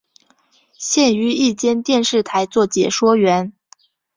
现于一间电视台做解说员。